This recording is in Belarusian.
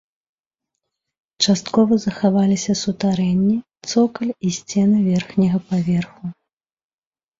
Часткова захаваліся сутарэнні, цокаль і сцены верхняга паверху.